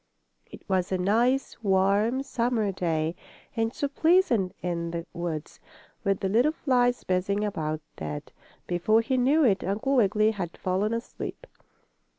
It was a nice, warm, summer day, and so pleasant in the woods, with the little flies buzzing about, that, before he knew it Uncle Wiggily had fallen asleep.